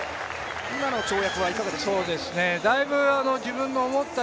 今の跳躍はいかがでした？